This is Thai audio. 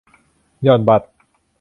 หย่อนบัตร